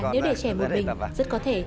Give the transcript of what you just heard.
nếu để trẻ một mình rất có thể